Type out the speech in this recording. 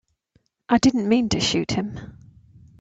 I didn't mean to shoot him.